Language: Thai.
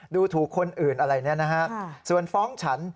ดูถูกคนอื่นอะไรเนี่ยนะฮะส่วนฟ้องฉัน